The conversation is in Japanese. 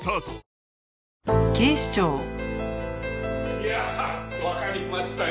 いやあわかりましたよ！